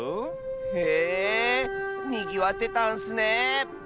へえにぎわってたんッスね。